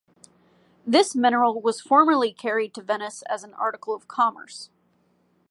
This mineral was formerly carried to Venice as an article of commerce.